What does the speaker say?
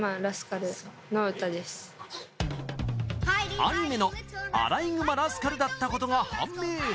アニメの『あらいぐまラスカル』だったことが判明。